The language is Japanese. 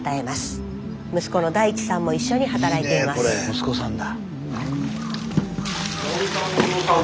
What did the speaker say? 息子さんだ。